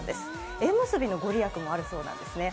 縁結びの御利益もあるそうなんですね。